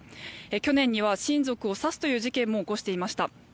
去年には親族を刺すという事件も起こしていました。